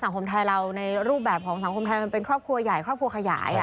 สังคมไทยเราในรูปแบบของสังคมไทยมันเป็นครอบครัวใหญ่ครอบครัวขยาย